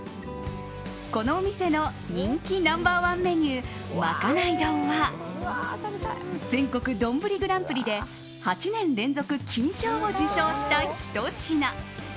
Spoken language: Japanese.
このお店の人気ナンバー１メニューまかない丼は全国丼グランプリで８年連続金賞を受賞したひと品。